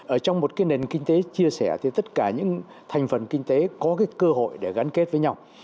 ở trong một cái nền kinh tế chia sẻ thì tất cả những thành phần kinh tế có cái cơ hội để gắn kết với nhau